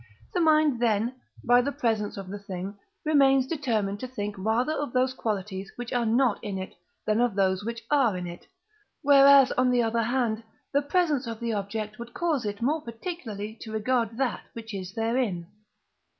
the mind then, by the presence of the thing, remains determined to think rather of those qualities which are not in it, than of those which are in it; whereas, on the other hand, the presence of the object would cause it more particularly to regard that which is therein.